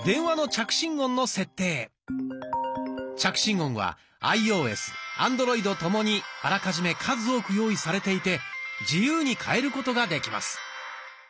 着信音はアイオーエスアンドロイドともにあらかじめ数多く用意されていて自由に変えることができます。